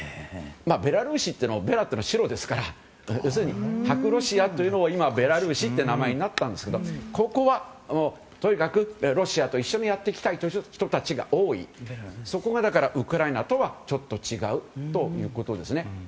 ベラルーシというのはベラというのは白ですから要するに、白ロシアというのが今、ベラルーシという名前になったんですけどここはとにかくロシアと一緒にやっていきたい人たちが多い、そこがウクライナとはちょっと違うということですね。